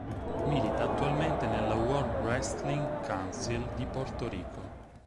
Milita attualmente nella World Wrestling Council di Porto Rico.